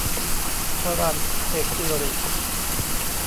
ชรัญ เอกสิริ